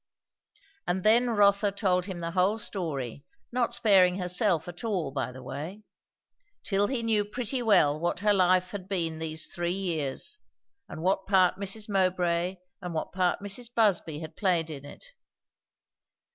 And then Rotha told him the whole story, not sparing herself at all by the way; till he knew pretty well what her life had been these three years, and what part Mrs. Mowbray and what part Mrs. Busby had played in it.